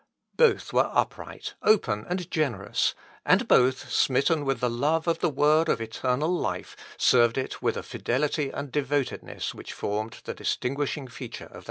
Both were upright, open, and generous, and both, smitten with the love of the word of eternal life, served it with a fidelity and devotedness which formed the distinguishing feature of their lives.